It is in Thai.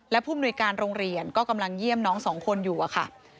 และผู้มนุยการโรงเรียนก็กำลังเยี่ยมน้องสองคนอยู่อะค่ะ